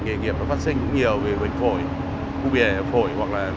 công nghiệp nó phát sinh cũng nhiều vì bệnh phổi khu biển phổi